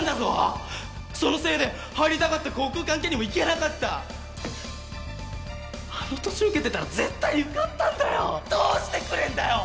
そのせいで入りたかった航空関係にも行けあの年受けてたら絶対受かったんどうしてくれんだよ！